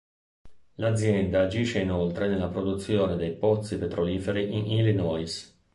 L'azienda agisce inoltre nella produzione dei pozzi petroliferi in Illinois.